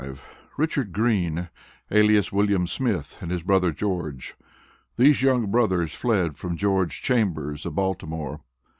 Richard Green, alias Wm. Smith, and his brother George. These young brothers fled from George Chambers of Baltimore.